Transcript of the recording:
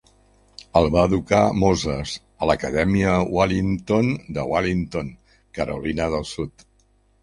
El va educar Moses a l'acadèmia Willington de Willington, Carolina del Sud.